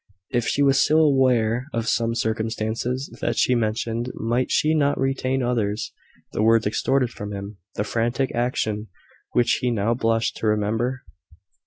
If she was still aware of some circumstances that she mentioned, might she not retain others the words extorted from him, the frantic action which he now blushed to remember?